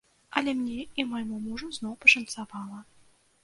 Але мне і майму мужу зноў пашанцавала.